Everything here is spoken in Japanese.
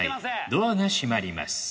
ドアが閉まります。